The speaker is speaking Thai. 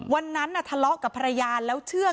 วันนั้นทะเลาะกับภรรยาแล้วเชื่อ